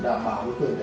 làm bảo với tưởng đấy